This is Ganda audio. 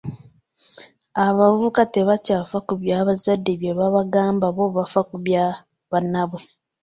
Abavubuka tebakyafa ku bazadde bye babagamba bo bafa bya ba bannaabwe.